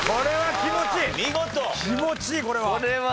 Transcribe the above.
気持ちいいこれは。